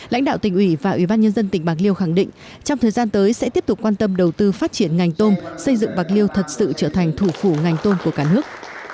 lãnh đạo tỉnh ủy và ủy ban nhân dân tỉnh bạc liêu khẳng định trong thời gian tới sẽ tiếp tục quan tâm đầu tư phát triển ngành tôm xây dựng bạc liêu thật sự trở thành thủ phủ ngành tôm của cả nước